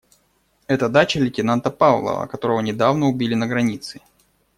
Это дача лейтенанта Павлова, которого недавно убили на границе.